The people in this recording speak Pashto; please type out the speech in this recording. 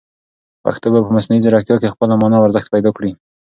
پښتو به په مصنوعي ځیرکتیا کې خپله مانا او ارزښت پیدا کړي.